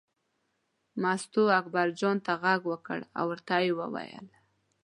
مستو اکبرجان ته غږ وکړ او ورته یې وویل.